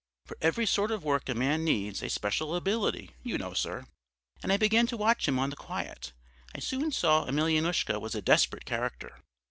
For every sort of work a man needs a special ability, you know, sir. And I began to watch him on the quiet; I soon saw Emelyanoushka was a desperate character.